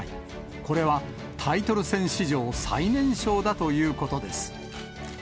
これはタイトル戦史上最年少だということです。